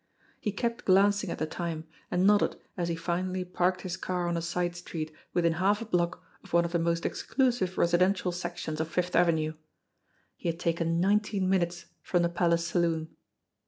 He kept glancing at the time and nodded as he finally parked his car on a side street within half a block of one of the most exclusive residential sections of Fifth Avenue. He had taken nineteen minutes from the Palace Saloon.